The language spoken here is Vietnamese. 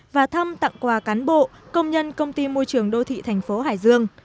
và thăm tặng quà cán bộ công nhân công ty môi trường đô thị thành phố hải dương